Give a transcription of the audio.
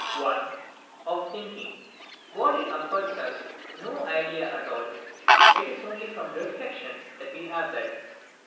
(1) Of thinking, body affords us no idea at all; it is only from reflection that we have that.